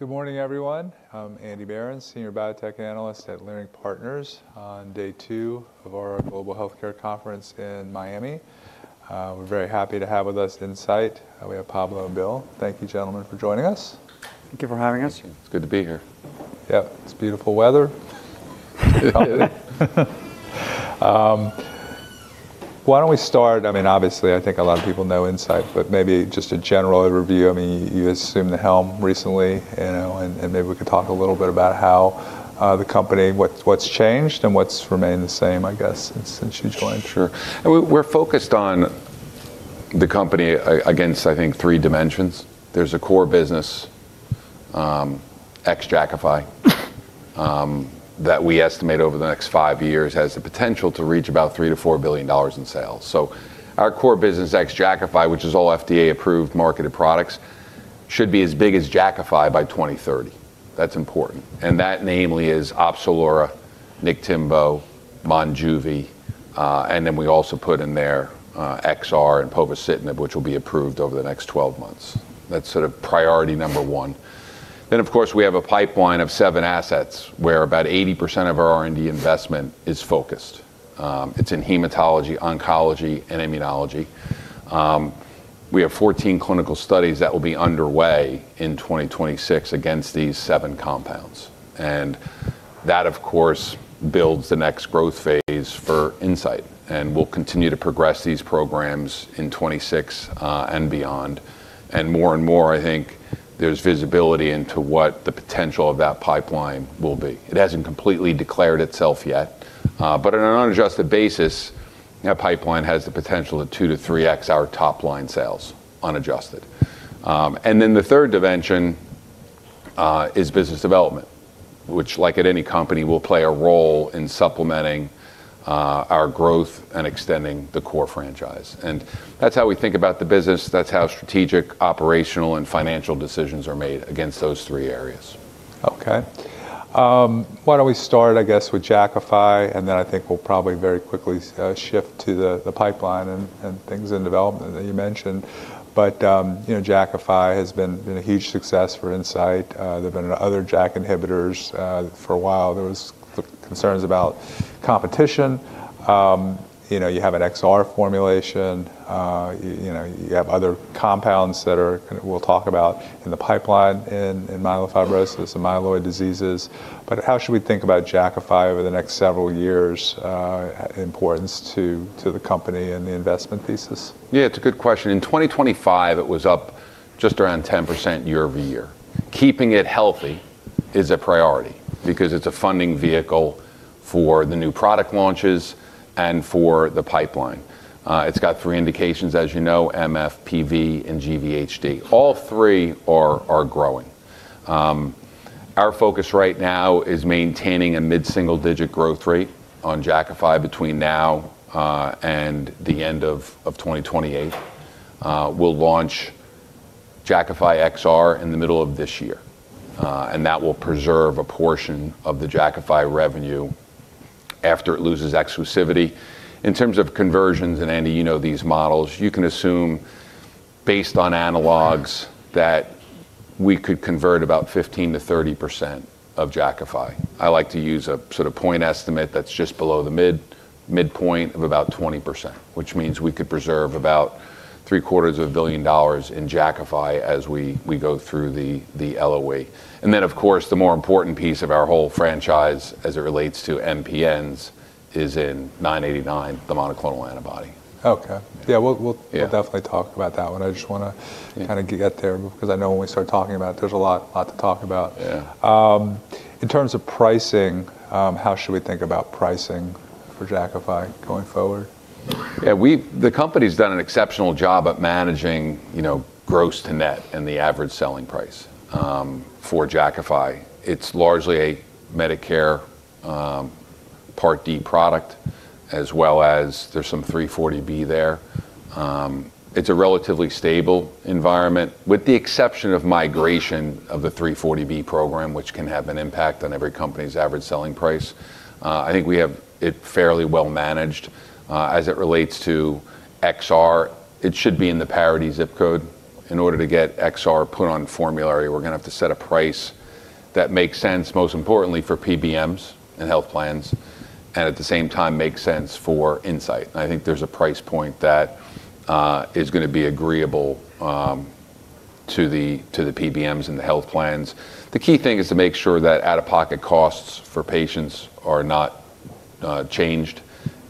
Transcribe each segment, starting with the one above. Good morning, everyone. I'm Andrew Berens, Senior Biotech Analyst at Leerink Partners on day two of our Global Healthcare Conference in Miami. We're very happy to have with us Incyte. We have Pablo and Bill. Thank you, gentlemen, for joining us. Thank you for having us. It's good to be here. Yep. It's beautiful weather. Why don't we start. I mean, obviously, I think a lot of people know Incyte, but maybe just a general overview. I mean, you assumed the helm recently, you know, and maybe we could talk a little bit about how the company, what's changed and what's remained the same, I guess, since you joined. Sure. We're focused on the company along, I think, three dimensions. There's a core business ex-Jakafi that we estimate over the next five years has the potential to reach about $3 billion-$4 billion in sales. Our core business ex-Jakafi, which is all FDA-approved marketed products, should be as big as Jakafi by 2030. That's important. That namely is Opzelura, Niktimvo, Monjuvi, and then we also put in there XR and povorcitinib which will be approved over the next 12 months. That's sort of priority number one. Of course, we have a pipeline of seven assets where about 80% of our R&D investment is focused. It's in hematology, oncology and immunology. We have 14 clinical studies that will be underway in 2026 against these seven compounds. That, of course, builds the next growth phase for Incyte, and we'll continue to progress these programs in 2026 and beyond. More and more, I think there's visibility into what the potential of that pipeline will be. It hasn't completely declared itself yet, but on an unadjusted basis, that pipeline has the potential of 2-3x our top-line sales unadjusted. Then the third dimension is business development, which like at any company, will play a role in supplementing our growth and extending the core franchise. That's how we think about the business. That's how strategic, operational and financial decisions are made against those three areas. Okay. Why don't we start, I guess, with Jakafi, and then I think we'll probably very quickly shift to the pipeline and things in development that you mentioned. You know, Jakafi has been a huge success for Incyte. There have been other JAK inhibitors for a while. There was the concerns about competition. You know, you have an XR formulation. You know, you have other compounds that we'll talk about in the pipeline in myelofibrosis and myeloid diseases. How should we think about Jakafi over the next several years, importance to the company and the investment thesis? Yeah, it's a good question. In 2025, it was up just around 10% year-over-year. Keeping it healthy is a priority because it's a funding vehicle for the new product launches and for the pipeline. It's got three indications, as you know, MF, PV and GVHD. All three are growing. Our focus right now is maintaining a mid-single-digit growth rate on Jakafi between now and the end of 2028. We'll launch Jakafi XR in the middle of this year, and that will preserve a portion of the Jakafi revenue after it loses exclusivity. In terms of conversions, Andy, you know these models, you can assume based on analogs that we could convert about 15%-30% of Jakafi. I like to use a sort of point estimate that's just below the midpoint of about 20%, which means we could preserve about three-quarters of a billion dollars in Jakafi as we go through the LOE. Then, of course, the more important piece of our whole franchise as it relates to MPNs is INCA33989, the monoclonal antibody. Okay. Yeah, we'll. Yeah We'll definitely talk about that one. I just wanna- Yeah Kinda get there because I know when we start talking about it, there's a lot to talk about. Yeah. In terms of pricing, how should we think about pricing for Jakafi going forward? The company's done an exceptional job at managing, you know, gross to net and the average selling price for Jakafi. It's largely a Medicare Part D product, as well as there's some 340B there. It's a relatively stable environment with the exception of migration of the 340B program, which can have an impact on every company's average selling price. I think we have it fairly well managed. As it relates to XR, it should be in the parity ZIP code. In order to get XR put on formulary, we're gonna have to set a price that makes sense, most importantly for PBMs and health plans, and at the same time makes sense for Incyte. I think there's a price point that is gonna be agreeable to the PBMs and the health plans. The key thing is to make sure that out-of-pocket costs for patients are not changed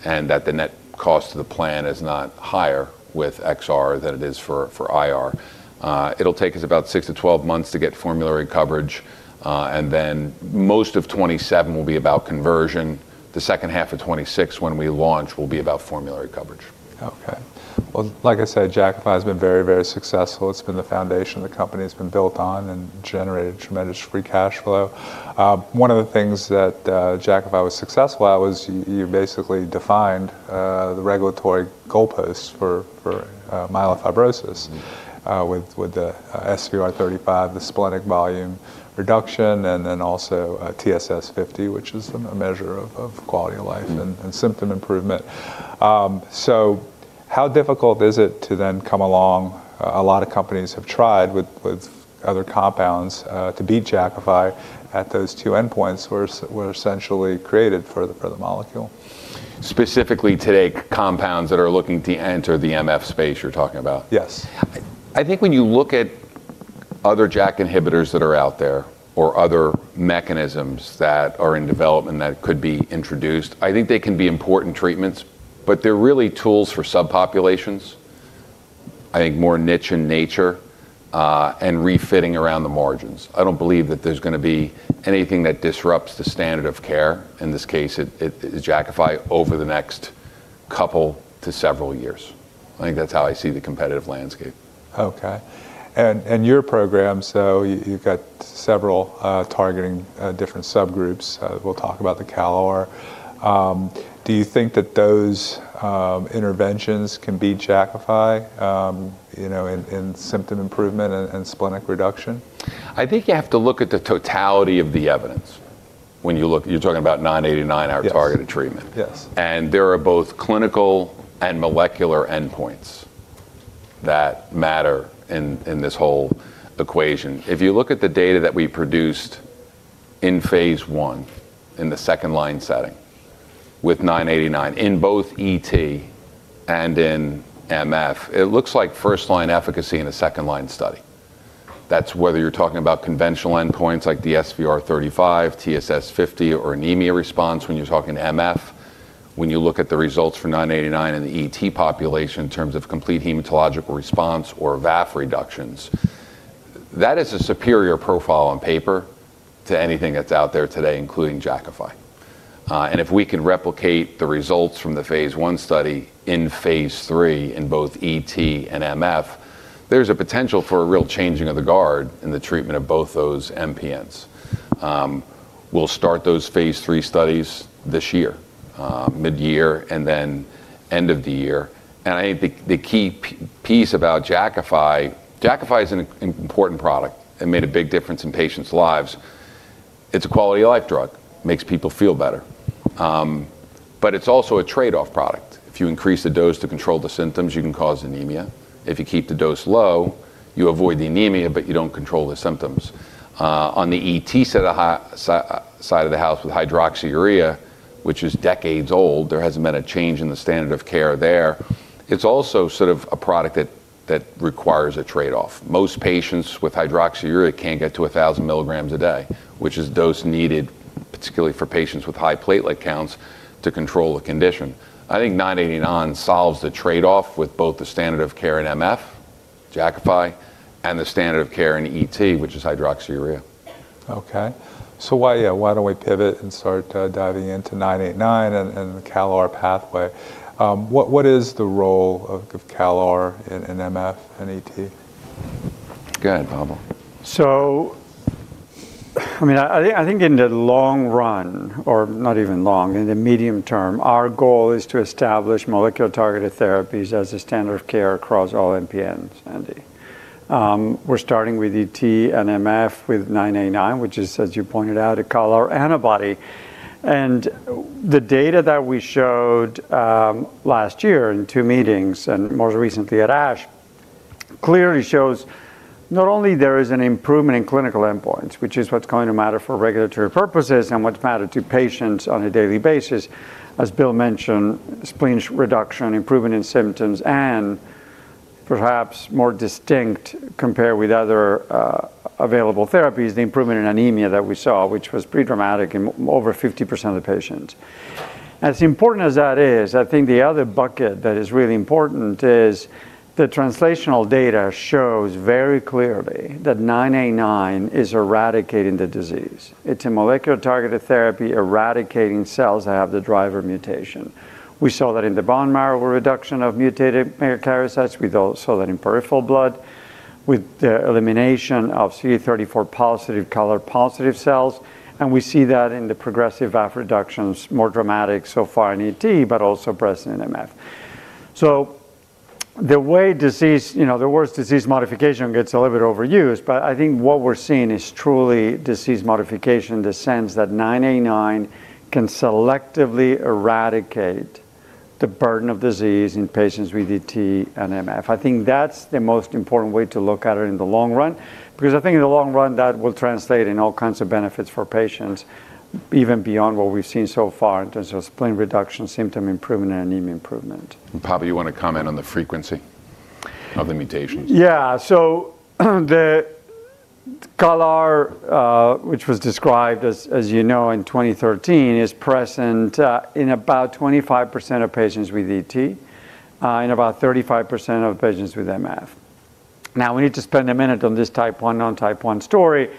and that the net cost of the plan is not higher with XR than it is for IR. It'll take us about 6-12 months to get formulary coverage, and then most of 2027 will be about conversion. The second half of 2026, when we launch, will be about formulary coverage. Okay. Well, like I said, Jakafi has been very, very successful. It's been the foundation the company's been built on and generated tremendous free cash flow. One of the things that Jakafi was successful at was you basically defined the regulatory goalposts for myelofibrosis. with the SVR35, the splenic volume reduction, and then also, TSS50, which is a measure of quality of life and symptom improvement. How difficult is it to then come along? A lot of companies have tried with other compounds to beat Jakafi at those two endpoints, which were essentially created for the molecule. Specifically today, compounds that are looking to enter the MF space you're talking about? Yes. I think when you look at other JAK inhibitors that are out there, or other mechanisms that are in development that could be introduced, I think they can be important treatments, but they're really tools for subpopulations, I think more niche in nature, and refitting around the margins. I don't believe that there's gonna be anything that disrupts the standard of care, in this case, Jakafi over the next couple to several years. I think that's how I see the competitive landscape. Okay. In your program, you've got several targeting different subgroups. We'll talk about the CALR. Do you think that those interventions can beat Jakafi, you know, in symptom improvement and splenic reduction? I think you have to look at the totality of the evidence. You're talking about INCA33989, our Yes targeted treatment. Yes. There are both clinical and molecular endpoints that matter in this whole equation. If you look at the data that we produced in phase I, in the second-line setting with INCA33989, in both ET and in MF, it looks like first-line efficacy in a second-line study. That's whether you're talking about conventional endpoints like the SVR35, TSS50, or anemia response when you're talking MF. When you look at the results for INCA33989 in the ET population in terms of complete hematologic response or VAF reductions, that is a superior profile on paper to anything that's out there today, including Jakafi. If we can replicate the results from the phase I study in phase III in both ET and MF, there's a potential for a real changing of the guard in the treatment of both those MPNs. We'll start those phase III studies this year, midyear and then end of the year. I think the key piece about Jakafi is an important product. It made a big difference in patients' lives. It's a quality of life drug, makes people feel better. But it's also a trade-off product. If you increase the dose to control the symptoms, you can cause anemia. If you keep the dose low, you avoid the anemia, but you don't control the symptoms. On the ET side of the house with hydroxyurea, which is decades old, there hasn't been a change in the standard of care there. It's also sort of a product that requires a trade-off. Most patients with hydroxyurea can't get to 1,000 mg a day, which is the dose needed, particularly for patients with high platelet counts, to control the condition. I think INCA33989 solves the trade-off with both the standard of care in MF, Jakafi, and the standard of care in ET, which is hydroxyurea. Okay. Why don't we pivot and start diving into INCA33989 and the CALR pathway? What is the role of CALR in MF and ET? Go ahead, Pablo. I think in the long run, or not even long, in the medium term, our goal is to establish molecular-targeted therapies as the standard of care across all MPNs, Andy. We're starting with ET and MF with nine eight nine, which is, as you pointed out, a CALR antibody. The data that we showed last year in two meetings, and most recently at ASH, clearly shows not only there is an improvement in clinical endpoints, which is what's going to matter for regulatory purposes and what matters to patients on a daily basis. As Bill mentioned, spleen reduction, improvement in symptoms, and perhaps more distinct compared with other available therapies, the improvement in anemia that we saw, which was pretty dramatic in over 50% of the patients. As important as that is, I think the other bucket that is really important is the translational data shows very clearly that INCA33989 is eradicating the disease. It's a molecular-targeted therapy eradicating cells that have the driver mutation. We saw that in the bone marrow reduction of mutated megakaryocytes. We saw that in peripheral blood with the elimination of CD34 positive, CALR positive cells, and we see that in the progressive VAF reductions, more dramatic so far in ET, but also present in MF. The way disease, you know, the words disease modification gets a little bit overused, but I think what we're seeing is truly disease modification in the sense that INCA33989 can selectively eradicate the burden of disease in patients with ET and MF. I think that's the most important way to look at it in the long run, because I think in the long run, that will translate in all kinds of benefits for patients, even beyond what we've seen so far in terms of spleen reduction, symptom improvement, and anemia improvement. Pablo, you want to comment on the frequency of the mutations? Yeah. The CALR, which was described, as you know, in 2013, is present in about 25% of patients with ET, in about 35% of patients with MF. Now, we need to spend a minute on this type one, non-type one story.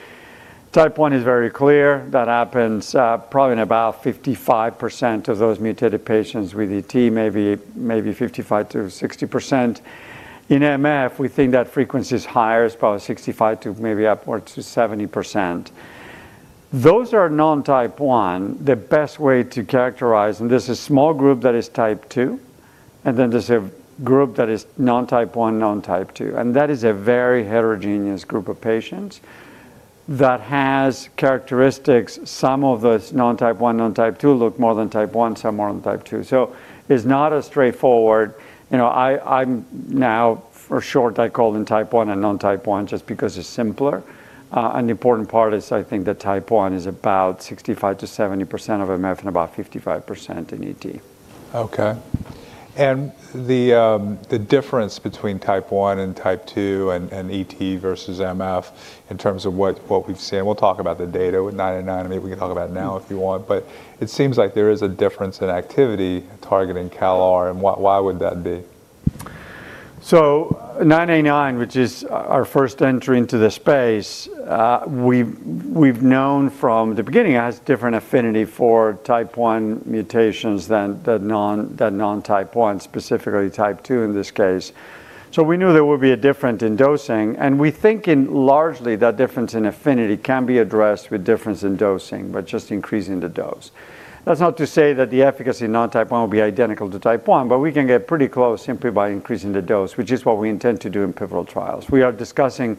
Type one is very clear. That happens probably in about 55% of those mutated patients with ET, maybe 55 to 60%. In MF, we think that frequency is higher. It's probably 65 to maybe upwards to 70%. Those are non-type one. The best way to characterize, and there's a small group that is type two, and then there's a group that is non-type one, non-type two, and that is a very heterogeneous group of patients. That has characteristics, some of those non-type 1, non-type 2 look more than type 1, some more on type 2. It's not as straightforward. You know, I'm now for short, I call them type 1 and non-type 1 just because it's simpler. The important part is I think the type 1 is about 65-70% of MF and about 55% in ET. Okay. The difference between type 1 and type 2 and ET versus MF in terms of what we've seen, we'll talk about the data with 989, and maybe we can talk about it now if you want. It seems like there is a difference in activity targeting CALR, and why would that be? 989, which is our first entry into this space, we've known from the beginning it has different affinity for type 1 mutations than the non-type 1, specifically type 2 in this case. We knew there would be a difference in dosing, and we think in large part that difference in affinity can be addressed with difference in dosing, by just increasing the dose. That's not to say that the efficacy of non-type 1 will be identical to type 1, but we can get pretty close simply by increasing the dose, which is what we intend to do in pivotal trials. We are discussing,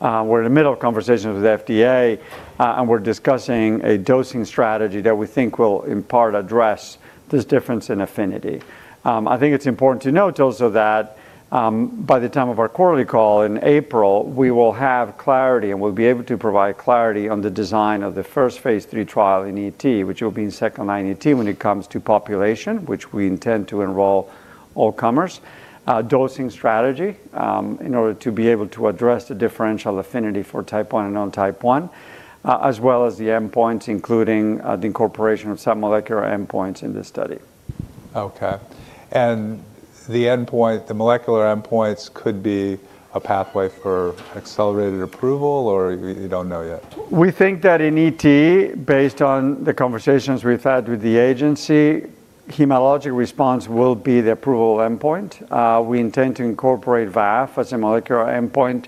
we're in the middle of conversations with FDA, and we're discussing a dosing strategy that we think will in part address this difference in affinity. I think it's important to note also that, by the time of our quarterly call in April, we will have clarity, and we'll be able to provide clarity on the design of the first phase III trial in ET, which will be in second-line ET when it comes to population, which we intend to enroll all comers. Dosing strategy, in order to be able to address the differential affinity for type 1 and non-type 1, as well as the endpoints, including, the incorporation of some molecular endpoints in this study. Okay. The endpoint, the molecular endpoints could be a pathway for accelerated approval, or you don't know yet? We think that in ET, based on the conversations we've had with the agency, hematologic response will be the approval endpoint. We intend to incorporate VAF as a molecular endpoint.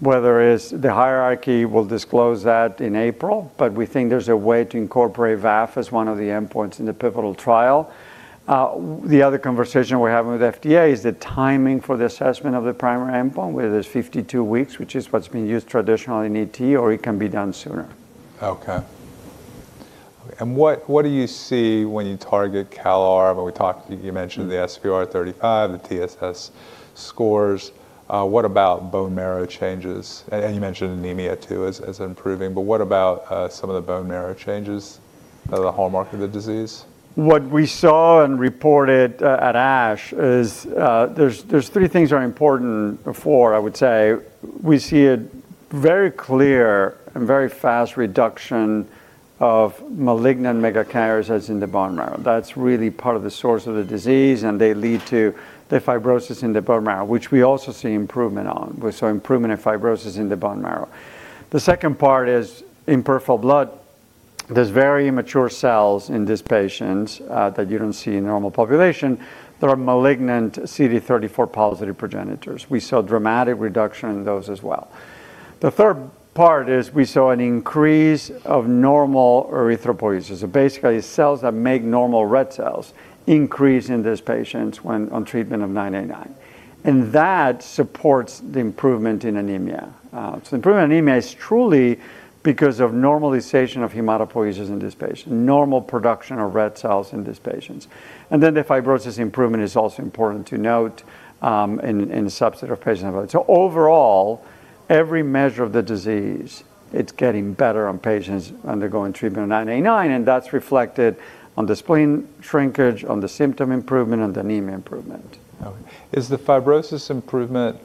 Whether it's the hierarchy, we'll disclose that in April. We think there's a way to incorporate VAF as one of the endpoints in the pivotal trial. The other conversation we're having with FDA is the timing for the assessment of the primary endpoint, whether it's 52 weeks, which is what's been used traditionally in ET, or it can be done sooner. Okay. What do you see when you target CALR? When we talked, you mentioned the SVR35, the TSS scores. What about bone marrow changes? You mentioned anemia too as improving, but what about some of the bone marrow changes that are the hallmark of the disease? What we saw and reported at ASH is, there's three things that are important. Four, I would say. We see a very clear and very fast reduction of malignant megakaryocytes in the bone marrow. That's really part of the source of the disease, and they lead to the fibrosis in the bone marrow, which we also see improvement on. We saw improvement in fibrosis in the bone marrow. The second part is in peripheral blood, there's very immature cells in these patients that you don't see in normal population that are malignant CD34 positive progenitors. We saw dramatic reduction in those as well. The third part is we saw an increase of normal erythropoiesis. Basically, cells that make normal red cells increase in these patients when on treatment of 989. That supports the improvement in anemia. Improvement in anemia is truly because of normalization of hematopoiesis in these patients, normal production of red cells in these patients. The fibrosis improvement is also important to note, in the subset of patients. Overall, every measure of the disease, it's getting better on patients undergoing treatment of 989, and that's reflected on the spleen shrinkage, on the symptom improvement, and anemia improvement. Okay. Is the fibrosis improvement,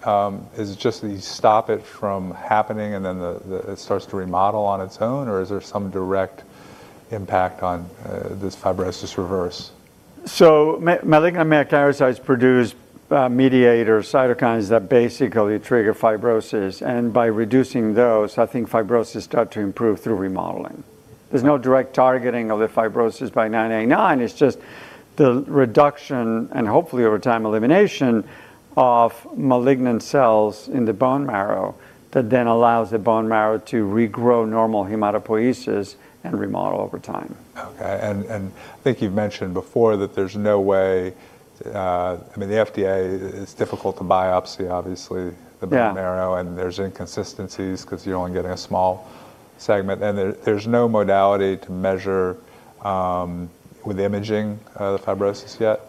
is it just that you stop it from happening and then it starts to remodel on its own, or is there some direct impact on this fibrosis reverse? Malignant megakaryocytes produce mediator cytokines that basically trigger fibrosis. By reducing those, I think fibrosis start to improve through remodeling. There's no direct targeting of the fibrosis by 989. It's just the reduction and hopefully over time, elimination of malignant cells in the bone marrow that then allows the bone marrow to regrow normal hematopoiesis and remodel over time. Okay. I think you've mentioned before that there's no way, I mean, the FDA, it's difficult to biopsy, obviously. Yeah ...the bone marrow, and there's inconsistencies because you're only getting a small segment. There, there's no modality to measure with imaging the fibrosis yet.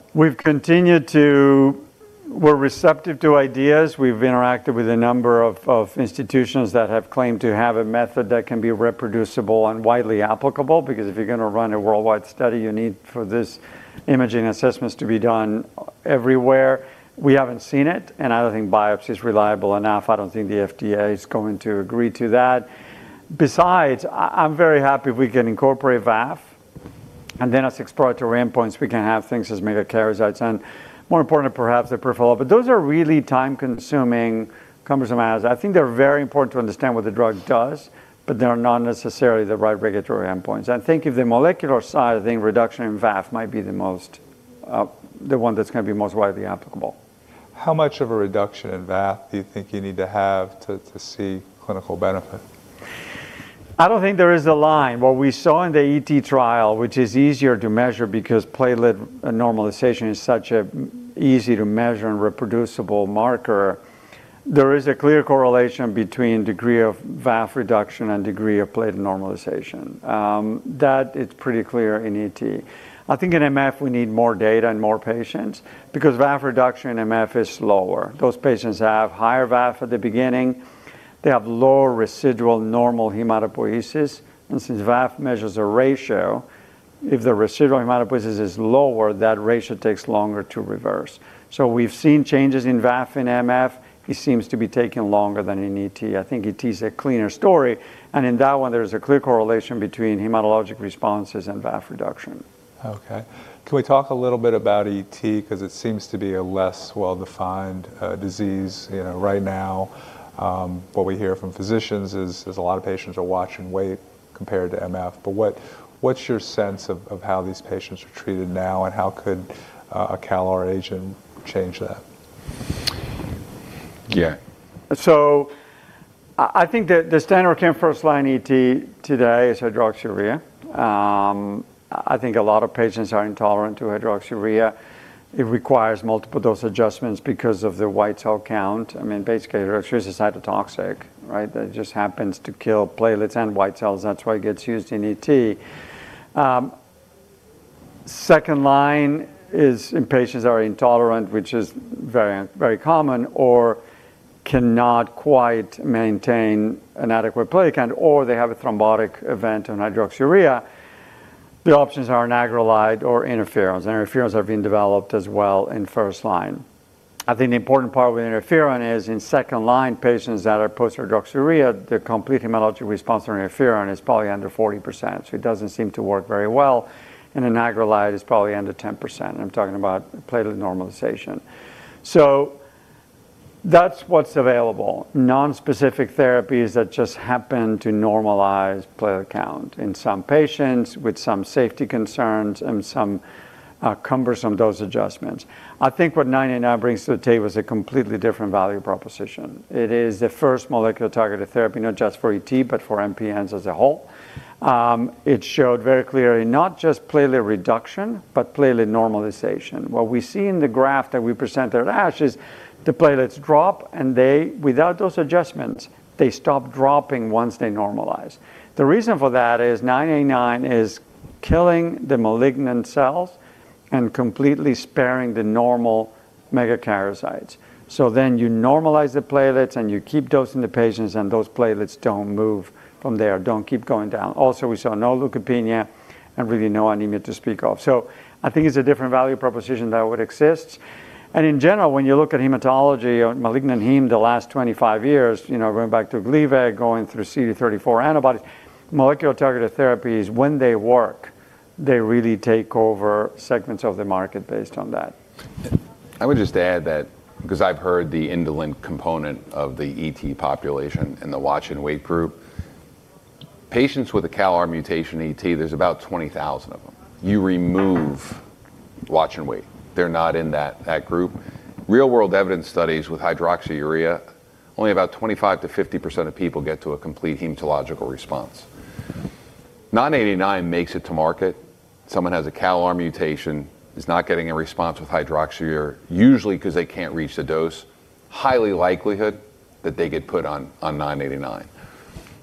We're receptive to ideas. We've interacted with a number of institutions that have claimed to have a method that can be reproducible and widely applicable, because if you're going to run a worldwide study, you need for this imaging assessments to be done everywhere. We haven't seen it, and I don't think biopsy is reliable enough. I don't think the FDA is going to agree to that. Besides, I'm very happy we can incorporate VAF, and then as exploratory endpoints, we can have things as megakaryocytes and more important perhaps the peripheral. But those are really time-consuming, cumbersome assays. I think they're very important to understand what the drug does, but they are not necessarily the right regulatory endpoints. I think if the molecular side, I think reduction in VAF might be the most, the one that's going to be most widely applicable. How much of a reduction in VAF do you think you need to have to see clinical benefit? I don't think there is a line. What we saw in the ET trial, which is easier to measure because platelet normalization is such an easy to measure and reproducible marker, there is a clear correlation between degree of VAF reduction and degree of platelet normalization. That is pretty clear in ET. I think in MF we need more data and more patients because VAF reduction in MF is lower. Those patients have higher VAF at the beginning. They have lower residual normal hematopoiesis. Since VAF measures a ratio, if the residual hematopoiesis is lower, that ratio takes longer to reverse. We've seen changes in VAF and MF. It seems to be taking longer than in ET. I think ET is a cleaner story. In that one, there's a clear correlation between hematologic responses and VAF reduction. Okay. Can we talk a little bit about ET? 'Cause it seems to be a less well-defined disease. You know, right now, what we hear from physicians is a lot of patients are watch and wait compared to MF, but what's your sense of how these patients are treated now, and how could a CALR agent change that? Yeah. I think the standard of care in first-line ET today is hydroxyurea. I think a lot of patients are intolerant to hydroxyurea. It requires multiple dose adjustments because of the white cell count. I mean, basically, hydroxyurea is cytotoxic, right? That just happens to kill platelets and white cells. That's why it gets used in ET. Second-line is in patients who are intolerant, which is very, very common, or cannot quite maintain an adequate platelet count, or they have a thrombotic event on hydroxyurea. The options are anagrelide or interferons. Interferons are being developed as well in first-line. I think the important part with interferon is in second-line patients that are post-hydroxyurea, the complete hematologic response on interferon is probably under 40%, so it doesn't seem to work very well, and anagrelide is probably under 10%. I'm talking about platelet normalization. That's what's available. Non-specific therapies that just happen to normalize platelet count in some patients with some safety concerns and some cumbersome dose adjustments. I think what nine eighty-nine brings to the table is a completely different value proposition. It is the first molecular targeted therapy, not just for ET, but for MPNs as a whole. It showed very clearly not just platelet reduction, but platelet normalization. What we see in the graph that we present at ASH is the platelets drop, and they, without those adjustments, stop dropping once they normalize. The reason for that is nine eighty-nine is killing the malignant cells and completely sparing the normal megakaryocytes. You normalize the platelets, and you keep dosing the patients, and those platelets don't move from there. Don't keep going down. Also, we saw no leukopenia and really no anemia to speak of. I think it's a different value proposition that would exist. In general, when you look at hematology or malignant heme the last 25 years, you know, going back to Gleevec, going through CD34 antibodies, molecular targeted therapies, when they work, they really take over segments of the market based on that. I would just add that 'cause I've heard the indolent component of the ET population in the watch and wait group. Patients with a CALR mutation ET, there's about 20,000 of them. You remove watch and wait. They're not in that group. Real world evidence studies with hydroxyurea, only about 25%-50% of people get to a complete hematologic response. INCA33989 makes it to market. Someone has a CALR mutation, is not getting a response with hydroxyurea usually 'cause they can't reach the dose. High likelihood that they get put on 989.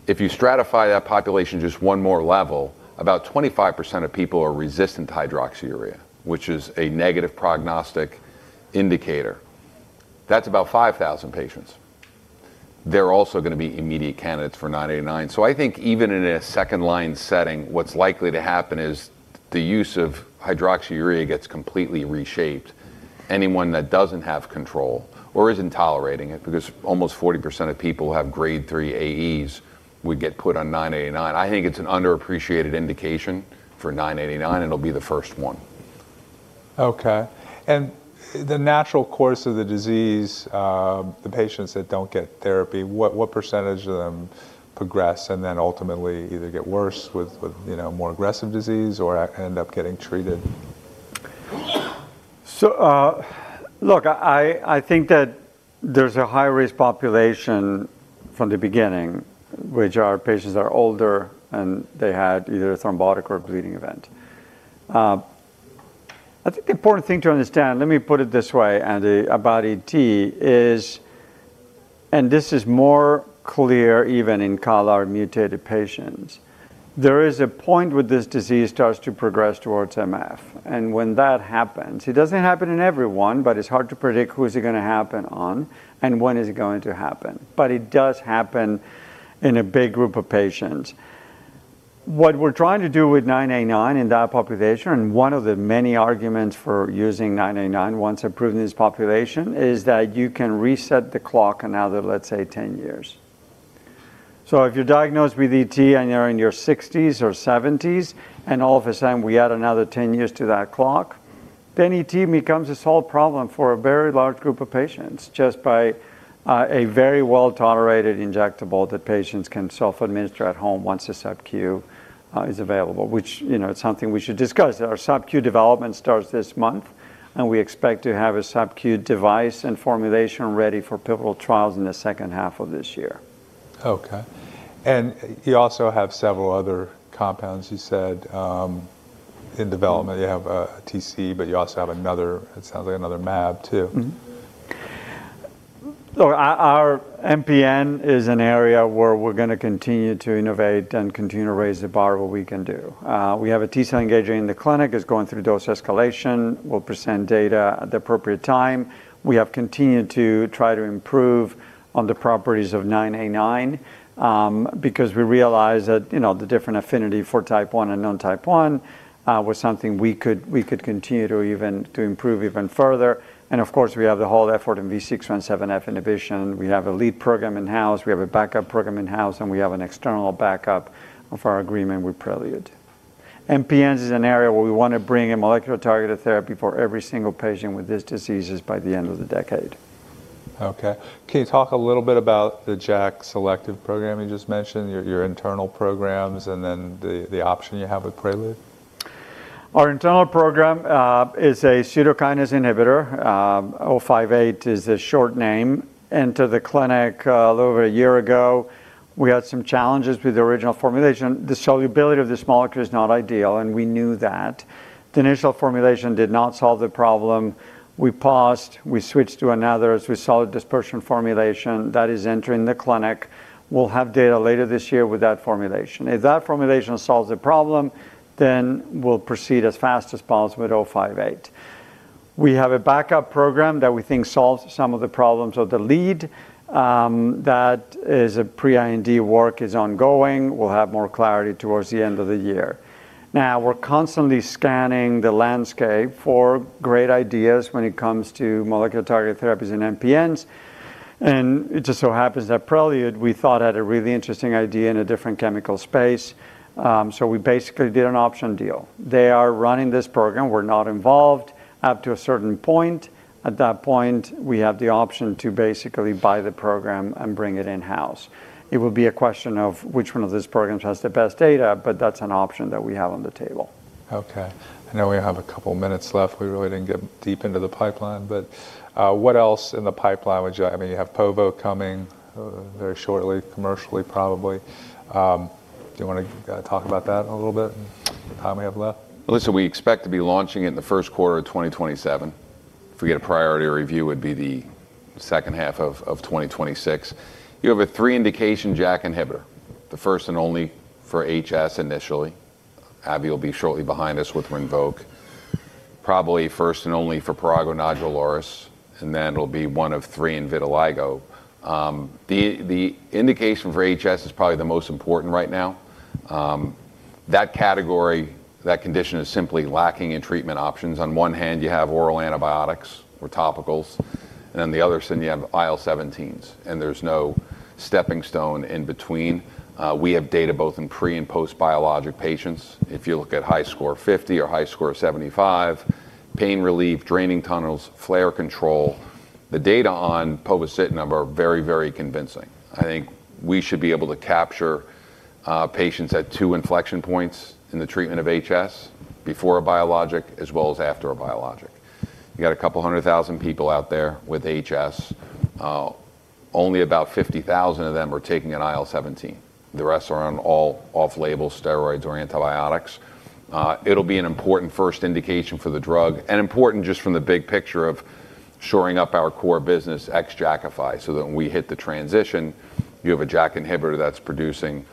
If you stratify that population just one more level, about 25% of people are resistant to hydroxyurea, which is a negative prognostic indicator. That's about 5,000 patients. They're also gonna be immediate candidates for INCA33989. I think even in a second line setting, what's likely to happen is the use of hydroxyurea gets completely reshaped. Anyone that doesn't have control or isn't tolerating it, because almost 40% of people who have grade three AEs would get put on 989. I think it's an underappreciated indication for 989, and it'll be the first one. Okay. The natural course of the disease, the patients that don't get therapy, what percentage of them progress and then ultimately either get worse with, you know, more aggressive disease or end up getting treated? Look, I think that there's a high-risk population from the beginning, which are patients that are older and they had either a thrombotic or bleeding event. I think the important thing to understand, let me put it this way, Andy, about ET is. This is more clear even in CALR mutated patients. There is a point where this disease starts to progress towards MF. When that happens, it doesn't happen in everyone, but it's hard to predict who is it gonna happen on and when is it going to happen. It does happen in a big group of patients. What we're trying to do with nine eighty-nine in that population, one of the many arguments for using nine eighty-nine once approved in this population, is that you can reset the clock another, let's say, 10 years. If you're diagnosed with ET and you're in your sixties or seventies, and all of a sudden we add another 10 years to that clock, then ET becomes a solved problem for a very large group of patients just by a very well-tolerated injectable that patients can self-administer at home once the subQ is available, which, you know, it's something we should discuss. Our subQ development starts this month, and we expect to have a subQ device and formulation ready for pivotal trials in the second half of this year. Okay. You also have several other compounds you said in development. You have a TC, but you also have another. It sounds like another mab too. Look, our MPN is an area where we're gonna continue to innovate and continue to raise the bar of what we can do. We have a T-cell engager in the clinic. It's going through dose escalation. We'll present data at the appropriate time. We have continued to try to improve on the properties of INCA33989, because we realize that, you know, the different affinity for type one and non-type one was something we could continue to improve even further. Of course, we have the whole effort in V617F inhibition. We have a lead program in-house, we have a backup program in-house, and we have an external backup of our agreement with Prelude. MPNs is an area where we wanna bring a molecular targeted therapy for every single patient with these diseases by the end of the decade. Okay. Can you talk a little bit about the JAK selective program you just mentioned, your internal programs, and then the option you have with Prelude? Our internal program is a pseudokinase inhibitor. Oh five eight is the short name. Entered the clinic a little over a year ago. We had some challenges with the original formulation. The solubility of this molecule is not ideal, and we knew that. The initial formulation did not solve the problem. We paused, we switched to another. As we saw, a dispersion formulation that is entering the clinic. We'll have data later this year with that formulation. If that formulation solves the problem, then we'll proceed as fast as possible with oh five eight. We have a backup program that we think solves some of the problems of the lead, that is a pre-IND work is ongoing. We'll have more clarity towards the end of the year. We're constantly scanning the landscape for great ideas when it comes to molecular targeted therapies in MPNs, and it just so happens that Prelude, we thought, had a really interesting idea in a different chemical space. We basically did an option deal. They are running this program, we're not involved, up to a certain point. At that point, we have the option to basically buy the program and bring it in-house. It will be a question of which one of these programs has the best data, but that's an option that we have on the table. Okay. I know we have a couple minutes left. We really didn't get deep into the pipeline, but what else in the pipeline, I mean, you have povo coming very shortly, commercially, probably. Do you wanna talk about that a little bit in the time we have left? Well, listen, we expect to be launching it in the first quarter of 2027. If we get a priority review, it would be the second half of 2026. You have a three indication JAK inhibitor. The first and only for HS initially. AbbVie will be shortly behind us with Rinvoq. Probably first and only for prurigo nodularis, and then it'll be one of three in vitiligo. The indication for HS is probably the most important right now. That category, that condition is simply lacking in treatment options. On one hand, you have oral antibiotics or topicals, and then the other side, you have IL-17s, and there's no stepping stone in between. We have data both in pre and post-biologic patients. If you look at HiSCR50 or HiSCR75, pain relief, draining tunnels, flare control, the data on povorcitinib are very, very convincing. I think we should be able to capture patients at two inflection points in the treatment of HS, before a biologic as well as after a biologic. You got 200,000 people out there with HS. Only about 50,000 of them are taking an IL-17. The rest are on all off-label steroids or antibiotics. It'll be an important first indication for the drug, and important just from the big picture of shoring up our core business ex-Jakafi, so that when we hit the transition, you have a JAK inhibitor that's producing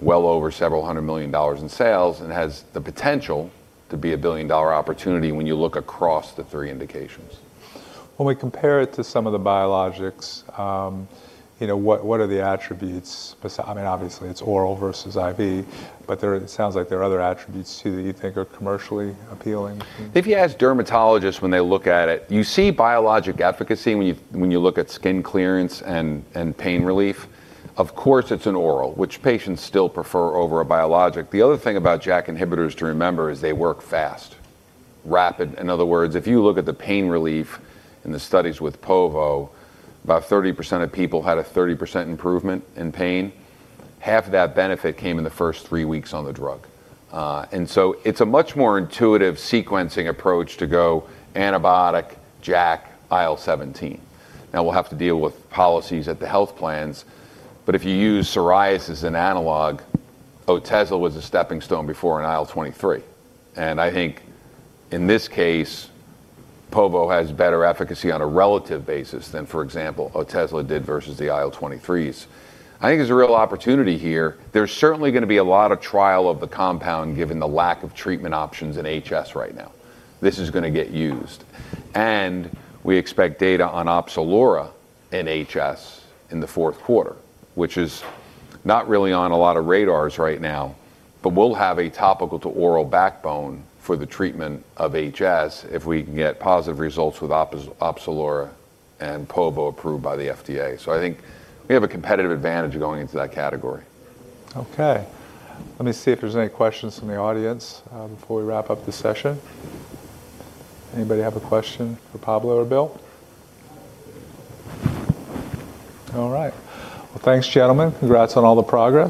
well over several hundred million dollars in sales and has the potential to be a billion-dollar opportunity when you look across the three indications. When we compare it to some of the biologics, you know, what are the attributes besides? I mean, obviously, it's oral versus IV, but it sounds like there are other attributes too that you think are commercially appealing. If you ask dermatologists when they look at it, you see biologic efficacy when you look at skin clearance and pain relief. Of course, it's an oral, which patients still prefer over a biologic. The other thing about JAK inhibitors to remember is they work fast. Rapid. In other words, if you look at the pain relief in the studies with povo, about 30% of people had a 30% improvement in pain. Half of that benefit came in the first three weeks on the drug. It's a much more intuitive sequencing approach to go antibiotic, JAK, IL-17. Now we'll have to deal with policies at the health plans, but if you use psoriasis as an analog, Otezla was a stepping stone before in IL-23. I think in this case, povo has better efficacy on a relative basis than, for example, Otezla did versus the IL-23s. I think there's a real opportunity here. There's certainly gonna be a lot of trial of the compound given the lack of treatment options in HS right now. This is gonna get used. We expect data on Opzelura in HS in the fourth quarter, which is not really on a lot of radars right now, but we'll have a topical to oral backbone for the treatment of HS if we can get positive results with Opzelura and povo approved by the FDA. I think we have a competitive advantage going into that category. Okay. Let me see if there's any questions from the audience, before we wrap up the session. Anybody have a question for Pablo or Bill? All right. Well, thanks, gentlemen. Congrats on all the progress.